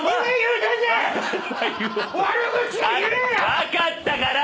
分かったから！